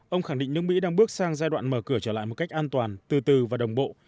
ông khẳng định nước mỹ đang bước sang giai đoạn mở cửa trở lại một cách an toàn từ từ và đồng bộ